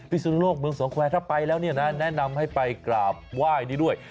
สุนโลกเมืองสองแควร์ถ้าไปแล้วเนี่ยนะแนะนำให้ไปกราบไหว้นี้ด้วย